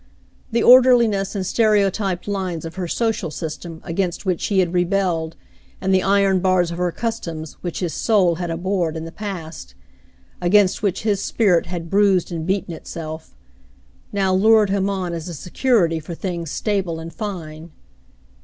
The orderliness and stereotyped lines of her social system against which he had rebelled, and the iron bars of her customs which his soul had abhorred in the past, — against which his spirit had bruised and beaten itself, — now lured him on as a security for things stable and fine.